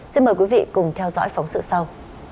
xin mời quý vị cùng theo dõi phóng sự sau